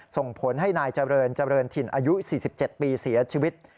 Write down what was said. ส่งผลให้นายเจริญเจริญถิ่นอายุ๔๗ปีเสียชีวิต